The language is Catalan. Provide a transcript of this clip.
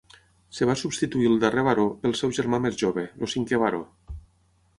Es va substituir el darrer baró pel seu germà més jove, el cinquè baró.